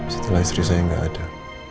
setelah istri saya nggak ada